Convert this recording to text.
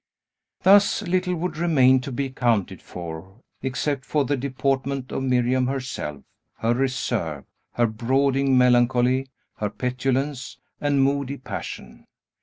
Thus little would remain to be accounted for, except the deportment of Miriam herself; her reserve, her brooding melancholy, her petulance, and moody passion.